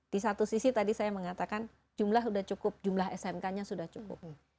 di satu sisi tadi saya mengatakan jumlah smk sudah cukup